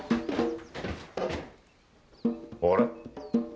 あれ？